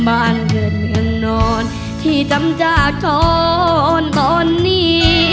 บ้านเหงื่องนอนที่จำจากช้อนตอนนี้